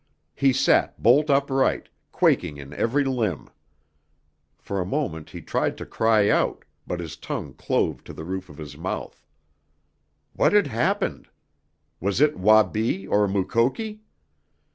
He sat bolt upright, quaking in every limb. For a moment he tried to cry out, but his tongue clove to the roof of his mouth. What had happened? Was it Wabi, or Mukoki?